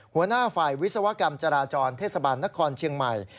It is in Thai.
หัวหน้าฝ่ายวิศวกรรมจราจรเทศบาลนครเชียงใหม่